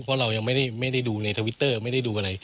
เพราะเรายังไม่ได้ดูในทวิตเตอร์ไม่ได้ดูอะไร